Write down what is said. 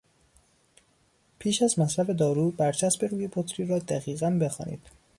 پیش از مصرف دارو برچسب روی بطری را دقیقا بخوانید.